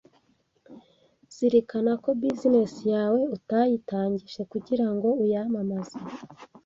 zirikana ko business yawe utayitangije kugirango uyamamaze